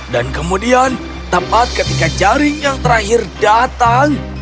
dan kemudian tepat ketika jaring yang terakhir datang